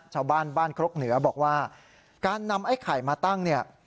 ชาวบ้านบ้านครกเหนือบอกว่าการนำไอ้ไข่มาตั้งเนี่ย